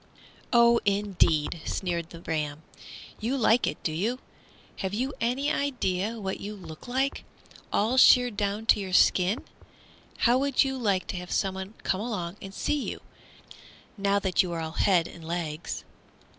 "Oh, indeed!" sneered the ram, "you like it, do you? Have you any idea what you look like, all sheared down to your skin? How would you like to have someone come along and see you, now that you are all head and legs?"